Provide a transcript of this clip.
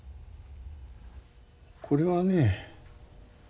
これはね